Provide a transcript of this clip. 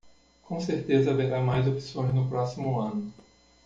Com certeza haverá mais opções no próximo ano.